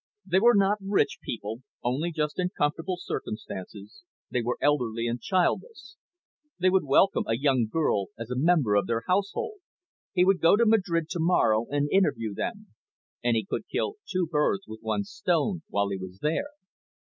They were not rich people, only just in comfortable circumstances, they were elderly and childless. They would welcome a young girl as a member of their household. He would go to Madrid to morrow and interview them. And he could kill two birds with one stone while he was there.